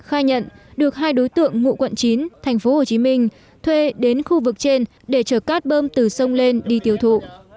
khai nhận được hai đối tượng ngụ quận chín tp hcm thuê đến khu vực trên để chở cát bơm từ sông lên đi tiêu thụ